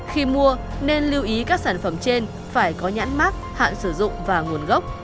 khi mua nên lưu ý các sản phẩm trên phải có nhãn mát hạn sử dụng và nguồn gốc